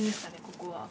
ここは。